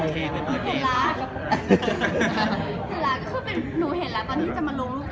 เพื่อนกันอย่างแบบสุกท้ายเด็ก